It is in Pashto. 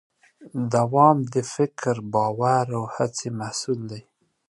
دوام د فکر، باور او هڅې محصول دی.